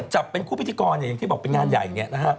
จับเป็นคู่พิธีกรอย่างที่บอกเป็นงานใหญ่